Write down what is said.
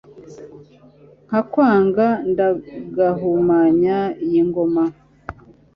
nkakwanga ndagahumanya iyi ngoma